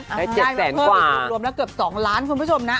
ได้ไปเพิ่มอีกรวมแล้วเกือบ๒ล้านคุณผู้ชมนะ